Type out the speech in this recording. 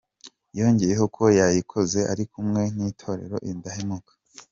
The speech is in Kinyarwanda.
Yongeyeho ko yayikoze ari kumwe n’Itorero Indahemuka.